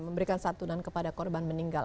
memberikan santunan kepada korban meninggal